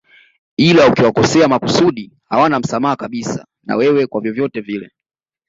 Ila ukiwakosea makusudi hawana msamaha kabisa na wewe kwa vyovyote vile